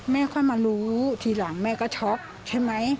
ค่อยมารู้ทีหลังแม่ก็ช็อกใช่ไหม